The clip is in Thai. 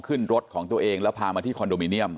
ขึ้นรถของตัวเองแล้วพามาที่คอนโดมิเนียม